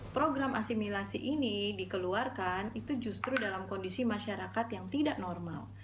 program asimilasi ini dikeluarkan itu justru dalam kondisi masyarakat yang tidak normal